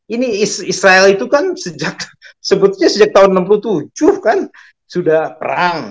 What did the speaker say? ini israel itu kan sejak sebetulnya sejak tahun seribu sembilan ratus enam puluh tujuh kan sudah perang